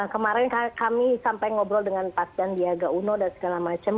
kemarin kami sampai ngobrol dengan pak sandiaga uno dan segala macam